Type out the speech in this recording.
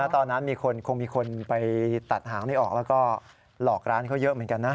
ตอนนั้นคงมีคนไปตัดหางไม่ออกแล้วก็หลอกร้านเขาเยอะเหมือนกันนะ